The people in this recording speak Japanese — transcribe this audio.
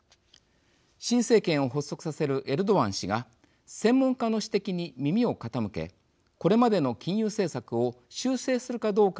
新政権を発足させるエルドアン氏が専門家の指摘に耳を傾けこれまでの金融政策を修正するかどうかが注目されます。